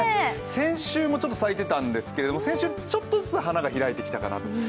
先週もちょっと咲いてたんですけど、先週はちょっとずつ花が開いてきたかなと。